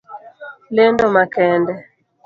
Lendo makende.